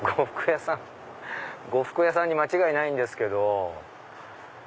呉服屋さんに間違いないんですけど。